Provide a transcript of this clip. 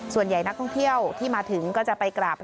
ส่วนใหญ่นักท่องเที่ยวที่มาถึงก็จะไปกราบ